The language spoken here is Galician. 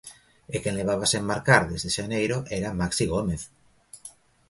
E quen levaba sen marcar desde xaneiro era Maxi Gómez.